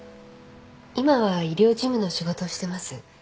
今は医療事務の仕事をしてます。